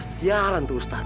siaran tuh ustadz